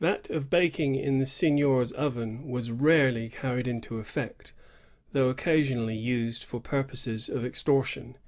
That of baking in the seignior's oven was rarely carried into effect, though occasionally used for purposes of extortion.